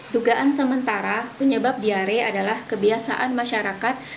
dugaan sementara penyebab diare adalah kebiasaan masyarakat